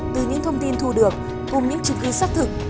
từ những thông tin thu được cùng những chứng cứ xác thực